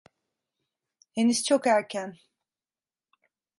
Henüz çok erken.